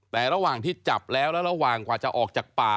แต่ระหว่างที่จับแล้วแล้วระหว่างกว่าจะออกจากป่า